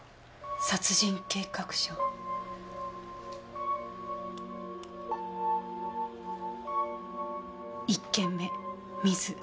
「殺人計画書」「１件目水」